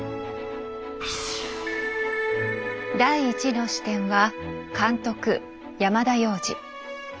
第１の視点は監督山田洋次。